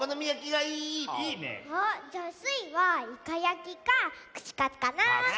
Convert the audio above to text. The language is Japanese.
あっじゃあスイはいかやきかくしカツかなあ。